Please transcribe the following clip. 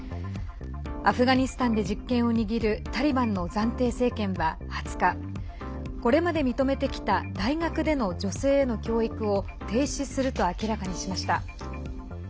アフガニスタンで実権を握るタリバンの暫定政権は２０日これまで認めてきた大学での女性への教育を停止すると明らかにしました。